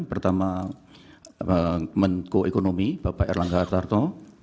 pertama menko ekonomi bapak erlangga hartarto